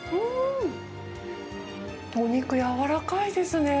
お肉やわらかいですね。